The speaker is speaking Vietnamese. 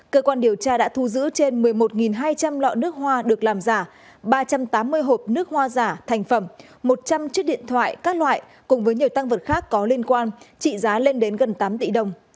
cơ quan điều tra đã thu giữ trên một mươi một hai trăm linh lọ nước hoa được làm giả ba trăm tám mươi hộp nước hoa giả thành phẩm một trăm linh chiếc điện thoại các loại cùng với nhiều tăng vật khác có liên quan trị giá lên đến gần tám tỷ đồng